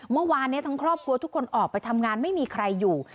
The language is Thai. เมื่อวานนี้ทั้งครอบครัวทุกคนออกไปทำงานไม่มีใครอยู่